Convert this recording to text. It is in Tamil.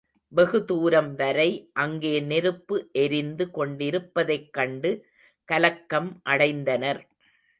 வெகு தூரம் வரை அங்கே நெருப்பு எரிந்து கொண்டிருப்பதைக் கண்டு கலக்கம் அடைந்தனர்.